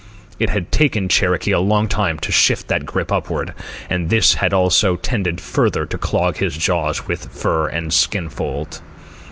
It had taken Cherokee a long time to shift that grip upward, and this had also tended further to clog his jaws with fur and skin fold.